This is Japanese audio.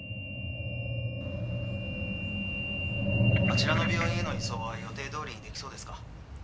あちらの病院への移送は予定どおりにできそうですか？